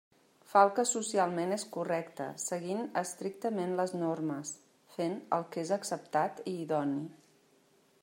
Fa el que socialment és correcte, seguint estrictament les normes; fent el que és acceptat i idoni.